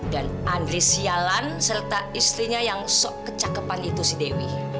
dan andri sialan serta istrinya yang sok kecakepan itu si dewi